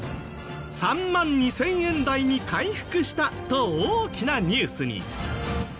３万２０００円台に回復したと大きなニュースに。